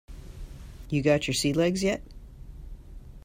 You got your sea legs yet?